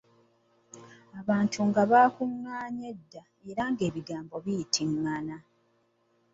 Abantu nga baakungaanye dda, era ng'ebigambo biyitingana.